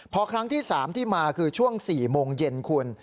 พอครั้งที่๓ที่มาคือช่วง๔โมงเย็นคุณ